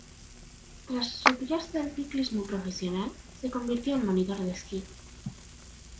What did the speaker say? Tras retirarse del ciclismo profesional, se convirtió en monitor de esquí.